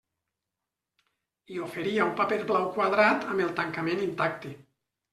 I oferia un paper blau quadrat amb el tancament intacte.